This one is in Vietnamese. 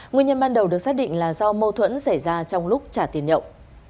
nguyên nhân ban đầu được xác định là do mâu thuẫn xảy ra trong lúc trả tiền nhậu